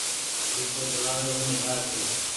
جيڪو چلآوي اوني ٺآ ڇي۔